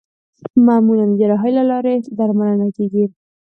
معمولا د جراحۍ له لارې درملنه کېږي.